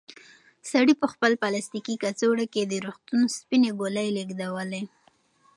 سړي په خپل پلاستیکي کڅوړه کې د روغتون سپینې ګولۍ لېږدولې.